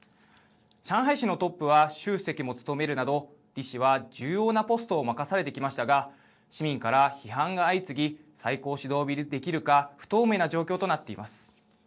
上海市のトップは習主席も務めるなど李氏は重要なポストを任されてきましたが市民から批判が相次ぎ最高指導部入りできるか不透明な状況となっています。